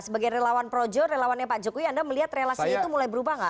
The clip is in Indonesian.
sebagai relawan projo relawannya pak jokowi anda melihat relasinya itu mulai berubah nggak